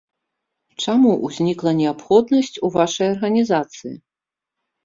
Чаму ўзнікла неабходнасць у вашай арганізацыі?